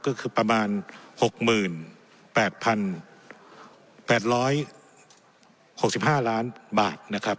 ก็คือประมาณหกหมื่นแปดพันแปดร้อยหกสิบห้าล้านบาทนะครับ